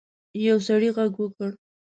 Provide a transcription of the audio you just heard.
یو سړي غږ وکړ.